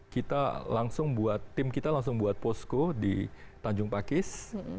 kita langsung buat tim kita langsung buat posko di tanjung pakis